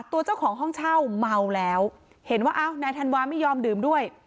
ตัวเจ้าของห้องเช่าเมาแล้วเห็นว่าอ้าวนายธันวาไม่ยอมดื่มด้วย